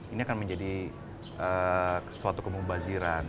ini akan menjadi suatu kemubaziran